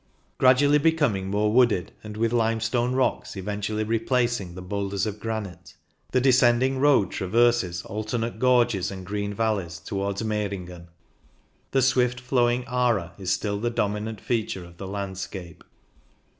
Gradually becoming more wooded, and with limestone rocks eventually replacing the boulders of granite, the descending road traverses alternate gorges and green valleys towards Meiringen. The swift flowing Aare is still the dominant feature of the landscape.